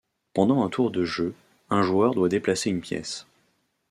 Pendant un tour de jeu, un joueur doit déplacer une pièce.